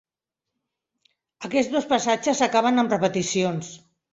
Aquests dos passatges acaben amb repeticions.